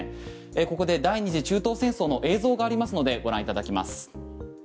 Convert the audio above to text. ここで第２次中東戦争の映像がありますのでご覧いただきます。